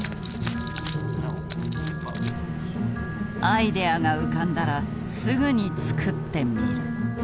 アイデアが浮かんだらすぐに作ってみる。